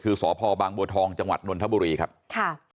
คือสพบางบัวทองจังหวัดนนทบุรีครับค่ะ